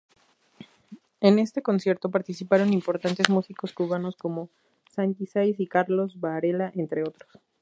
En este concierto participaron importantes músicos cubanos, como Síntesis y Carlos Varela entre otros.